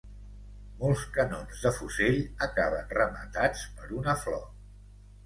Molts canons de fusell acaben rematats per una flor.